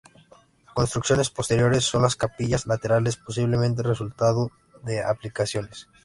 Construcciones posteriores son las capillas laterales, posiblemente resultado de ampliaciones.